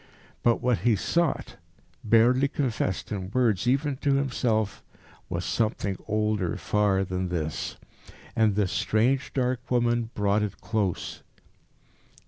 But what he sought, barely confessed in words even to himself, was something older far than this. And this strange, dark woman brought it close.